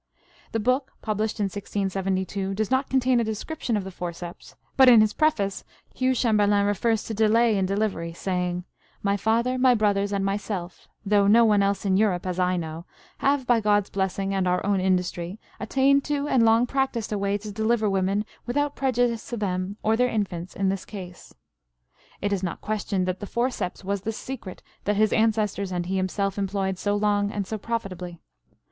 The book, published in 1672, does not contain a description of the forceps, but in his preface Hugh Chamberlen refers to delay in delivery, saying, "My father, my brothers, and myself (though none else in Europe as I know) have by God's blessing and our own industry attained to and long practiced a way to deliver women without prejudice to them or their infants in this case." It is not questioned that the forceps was the secret that his ancestors and he himself employed so long and so profitably.